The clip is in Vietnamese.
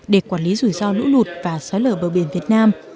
để quản lý rủi ro lũ lụt và xói lở bờ biển việt nam